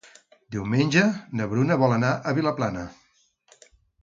Diumenge na Bruna vol anar a Vilaplana.